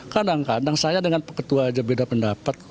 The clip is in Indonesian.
kadang kadang saya dengan ketua aja beda pendapat